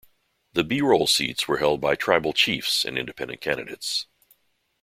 The 'B' Roll seats were held by Tribal Chiefs and independent candidates.